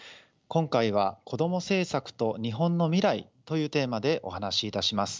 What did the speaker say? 今回は「こども政策と日本の未来」というテーマでお話しいたします。